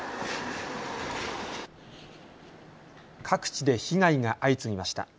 各地で被害が相次ぎました。